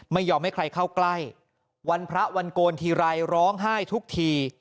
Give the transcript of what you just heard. ไม่ยอมให้ใครเข้าใกล้วันพระวันโกนทีไรร้องไห้ทุกที